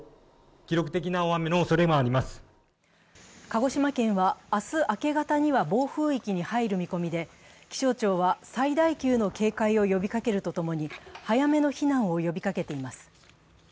鹿児島県は、明日明け方には暴風域に入る見込みで、気象庁は最大級の警戒を呼びかけるとともに、早めの避難を呼びかけています。